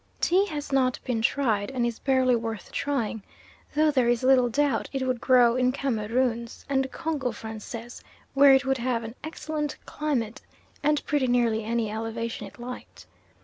Tea has not been tried, and is barely worth trying, though there is little doubt it would grow in Cameroons and Congo Francais where it would have an excellent climate and pretty nearly any elevation it liked.